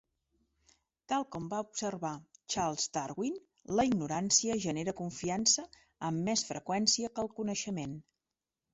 Tal com va observar Charles Darwin, la ignorància genera confiança amb més freqüència que el coneixement.